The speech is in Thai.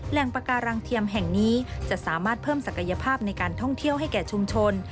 ปากการังเทียมแห่งนี้จะสามารถเพิ่มศักยภาพในการท่องเที่ยวให้แก่ชุมชน